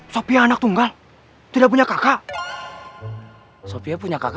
sofia anak tunggal tidak punya kakak